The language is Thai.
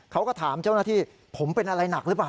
เขาก็ถามเจ้าหน้าที่ผมเป็นอะไรหนักหรือเปล่า